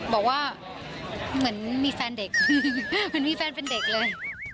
บอกว่าเหมือนมีแฟนเด็กเหมือนมีแฟนเป็นเด็กเลย